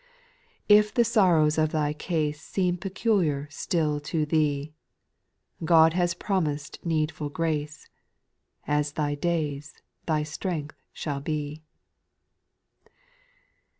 '' SPIRITUAL SONGS. 191 2. If the sorrows of thy case Seem peculiar still to thee, God has promised needful grace, " As thy days, thy strength shall be.'